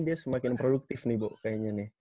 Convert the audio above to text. dia semakin produktif nih bu kayaknya nih